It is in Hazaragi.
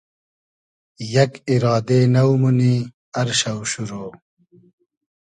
یئگ ایرادې نۆ مونی ار شۆ شورۉ